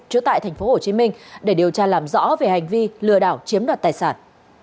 chủ tại tp hcm để điều tra làm rõ về hành vi lừa đảo chiếm đoạt tài sản